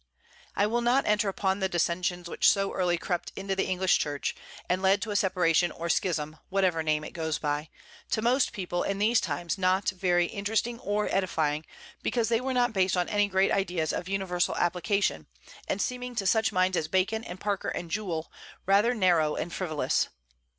I will not enter upon the dissensions which so early crept into the English Church, and led to a separation or a schism, whatever name it goes by, to most people in these times not very interesting or edifying, because they were not based on any great ideas of universal application, and seeming to such minds as Bacon and Parker and Jewell rather narrow and frivolous.